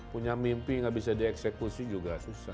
punya mimpi gak bisa dieksekusi juga